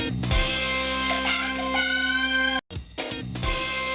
เกมตา